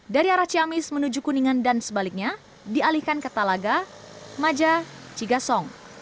dari arah ciamis menuju kuningan dan sebaliknya dialihkan ke talaga maja cigasong